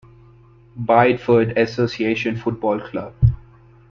Bideford Association Football Club.